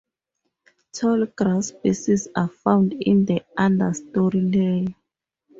Tallgrass species are found in the understory layer.